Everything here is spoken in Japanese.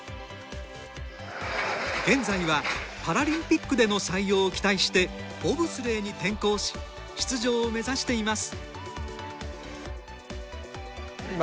現在は、パラリンピックでの採用を期待してボブスレーに転向し出場を目指しています。